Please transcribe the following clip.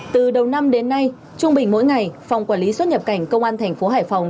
từ đầu năm đến nay trung bình mỗi ngày phòng quản lý xuất nhập cảnh công an thành phố hải phòng